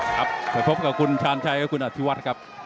ครับเผยพบกับคุณชาญชัยและคุณอธิวัตรครับ